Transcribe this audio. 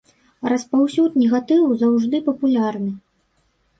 Распаўсюд негатыву заўжды папулярны.